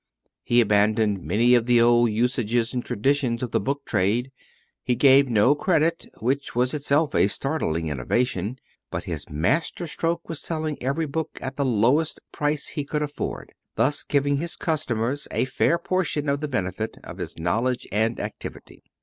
He abandoned many of the old usages and traditions of the book trade. He gave no credit, which was itself a startling innovation; but his master stroke was selling every book at the lowest price he could afford, thus giving his customers a fair portion of the benefit of his knowledge and activity.